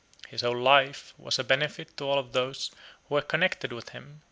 His whole life was a benefit to all who were connected with him.